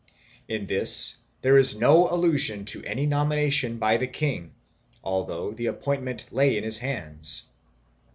3 In this there is no allusion to any nomination by the king, al though the appointment lay in his hands.